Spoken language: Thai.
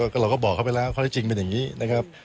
ก็เราก็บอกเขาไปแล้วข้อที่จริงเป็นอย่างนี้นะครับ